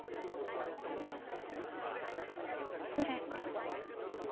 ずれた？